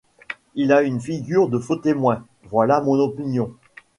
Il a une figure de faux témoin ; voilà mon opinion.